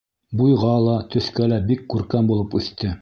Буйға ла, төҫкә лә бик күркәм булып үҫте.